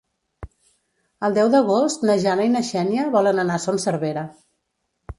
El deu d'agost na Jana i na Xènia volen anar a Son Servera.